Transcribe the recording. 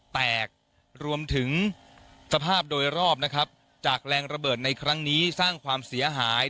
แตกรวมถึงสภาพโดยรอบนะครับจากแรงระเบิดในครั้งนี้สร้างความเสียหาย